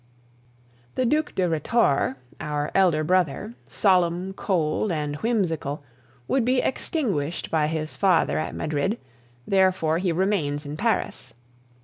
The Duc de Rhetore, our elder brother, solemn, cold, and whimsical, would be extinguished by his father at Madrid, therefore he remains in Paris.